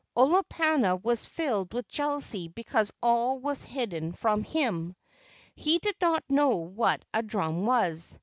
Olopana was filled with jealousy because all was hidden from him. He did not know what a drum was.